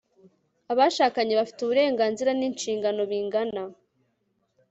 abashakanye bafite uburenganzira n'inshingano bingana